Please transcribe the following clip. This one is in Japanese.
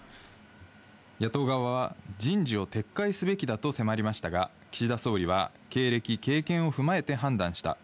野党側は人事を撤回すべきだと迫りましたが、岸田総理は、経歴、経験を踏まえて判断した。